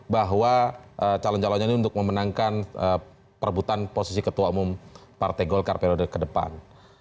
bahwa calon calonnya ini untuk memenangkan perebutan posisi ketua umum partai golkar periode ke depan